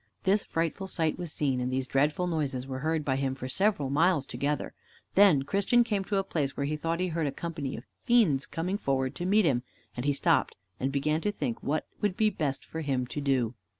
This frightful sight was seen, and these dreadful noises were heard by him for several miles together. Then Christian came to a place where he thought he heard a company of fiends coming forward to meet him, and he stopped and began to think what it would be best for him to do.